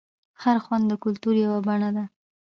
هر خوند د کلتور یوه بڼه ده.